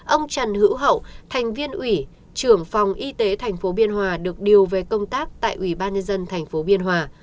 ông trần hữu hậu thành viên ủy trưởng phòng y tế tp biên hòa được điều về công tác tại ủy ban nhân dân tp biên hòa